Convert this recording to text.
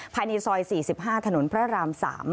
ภายในซอย๔๕ถนนพระราม๓